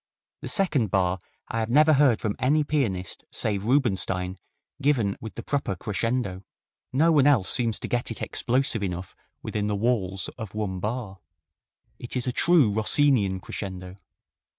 The second bar I have never heard from any pianist save Rubinstein given with the proper crescendo. No one else seems to get it explosive enough within the walls of one bar. It is a true Rossin ian crescendo.